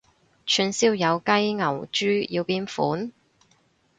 串燒有雞牛豬要邊款？